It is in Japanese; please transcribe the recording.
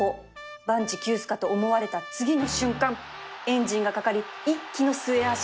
万事休すかと思われた次の瞬間エンジンがかかり一気の末脚